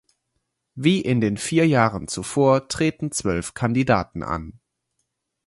Wie in den vier Jahren zuvor treten zwölf Kandidaten an.